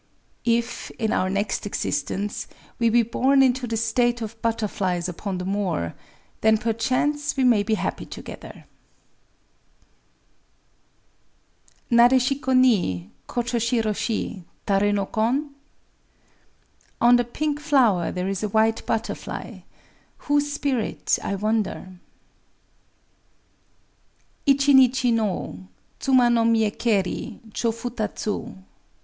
[If (in our next existence) we be born into the state of butterflies upon the moor, then perchance we may be happy together!] Nadéshiko ni Chōchō shiroshi— Taré no kon? [On the pink flower there is a white butterfly: whose spirit, I wonder?] Ichi nichi no Tsuma to miëkéri— Chō futatsu.